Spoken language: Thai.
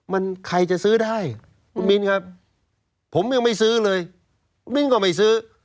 มันใครจะซื้อได้คุณมิ้นครับผมยังไม่ซื้อเลยคุณมิ้นก็ไม่ซื้อ